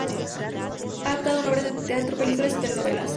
Ha actuado en obras de teatro, películas y telenovelas.